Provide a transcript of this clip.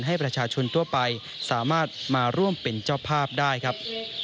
ให้ประชาชนทั่วไปสามารถมาร่วมเป็นเจ้าภาพได้ครับ